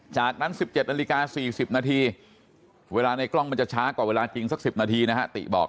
จากนั้น๑๗นาฬิกา๔๐นาทีเวลาในกล้องมันจะช้ากว่าเวลาจริงสัก๑๐นาทีนะฮะติบอก